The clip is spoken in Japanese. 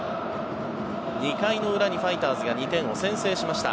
２回の裏にファイターズが２点を先制しました。